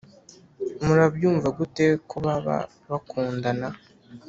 Murabyumva gute ko baba bakundana